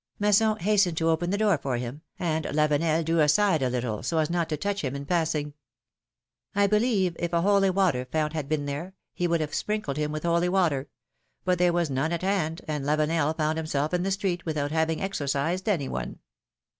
^^ Masson hastened to open the door for him, and Lavenel drew aside a little, so as not to touch him in passing. I believe if a holy water fount had been there, he would have sprinkled him with holy water; but there was none at hand, and Lavenel found himself in the street without having exorcised any one.